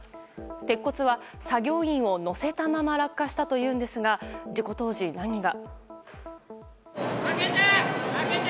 鉄骨は作業員を乗せたまま落下したというんですが事故当時、何が。